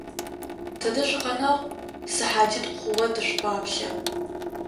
Тэдэ шъукъэнагъ? СыхьатитӀу хъугъэ тышъупаплъэ.